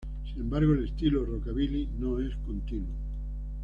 Sin embargo, el estilo rockabilly no es continuo.